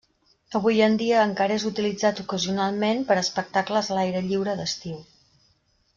Avui en dia encara és utilitzat ocasionalment per a espectacles a l'aire lliure d'estiu.